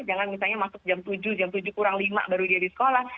jangan misalnya masuk jam tujuh jam tujuh kurang lima baru dia di sekolah